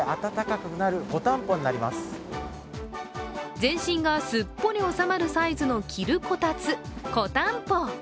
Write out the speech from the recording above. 全身がすっぽり収まるサイズの着るこたつ、こたんぽ。